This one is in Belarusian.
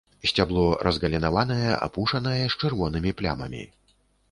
Сцябло разгалінаванае, апушанае, з чырвонымі плямамі.